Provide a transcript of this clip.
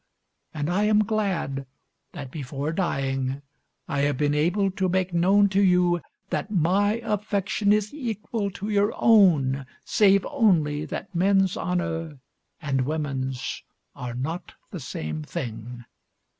And I am glad that before dying I have been able to make known to you that my affection is equal to your own, save only that men's honour and women's are not the same thing.